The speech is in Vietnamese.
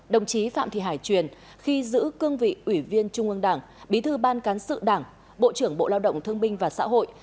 đồng chí phạm thị hải truyền khi giữ cương vị ủy viên trung ương đảng bí thư ban cán sự đảng bộ trưởng bộ lao động thương binh và xã hội